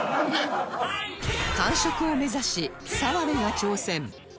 完食を目指し澤部が挑戦